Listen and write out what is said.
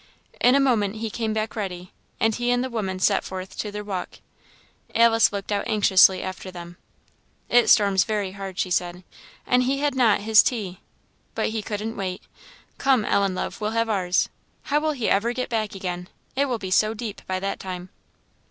In a moment he came back ready, and he and the woman set forth to their walk. Alice looked out anxiously after them. "It storms very hard," she said "and he had not had his tea! But he couldn't wait. Come, Ellen, love, we'll have ours. How will he ever get back again? it will be so deep by that time."